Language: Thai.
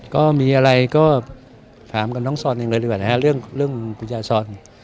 ก็มีอะไรก็ถามกับน้องซ่อนเองเลยดีกว่านะฮะเรื่องเรื่องปุญญาซ่อน